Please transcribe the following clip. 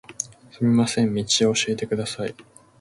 すみません、道を教えてください